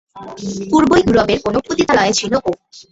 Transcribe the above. পূর্ব ইউরোপের কোনো পতিতালয়ে ছিল ও।